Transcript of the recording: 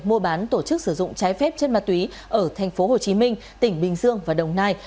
mua bán tổ chức sử dụng trái phép chất ma túy ở tp hcm tỉnh bình dương và đồng nai